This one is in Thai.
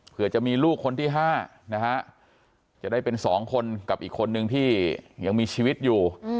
เพื่อจะมีลูกคนที่๕นะฮะจะได้เป็น๒คนกับอีกคนนึงที่ยังมีชีวิตอยู่